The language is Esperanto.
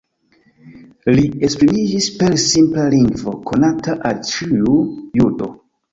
Li esprimiĝis per simpla lingvo, konata al ĉiu judo.